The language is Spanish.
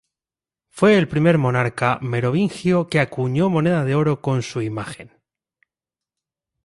Fue el primer monarca merovingio que acuñó moneda de oro con su imagen.